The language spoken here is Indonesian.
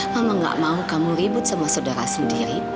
mama gak mau kamu ribut sama saudara sendiri